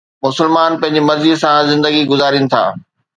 مسلمان پنهنجي مرضيءَ سان زندگي گذارين ٿا